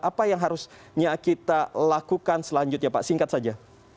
apa yang harusnya kita lakukan selanjutnya pak singkat saja